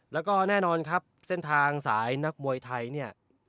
แล้วก็แน่นอนครับเส้นทางสายนักมวยไทยเนี่ย